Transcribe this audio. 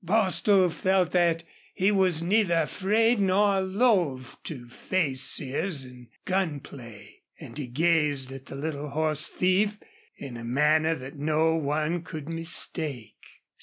Bostil felt that he was neither afraid nor loath to face Sears in gun play, and he gazed at the little horse thief in a manner that no one could mistake.